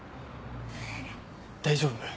大丈夫？